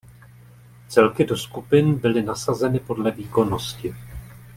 Celky do skupin byly nasazeny podle výkonnosti.